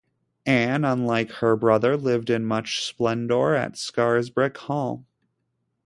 Ann, unlike her brother, lived in much splendour at Scarisbrick Hall.